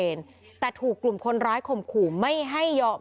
สร้างจับภาพได้ชัดเจนแต่ถูกกลุ่มคนร้ายข่มขู่ไม่ให้ยอม